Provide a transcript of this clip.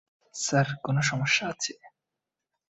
Sir, কোন সমস্যা আছে?